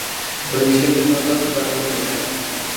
Transmisión de notas totalmente mecánica.